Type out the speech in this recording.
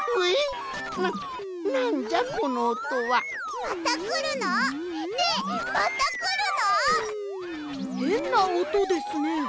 へんなおとですね。